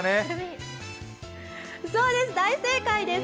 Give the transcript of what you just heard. そうです、大正解です。